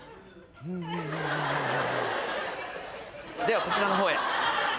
ではこちらの方へ。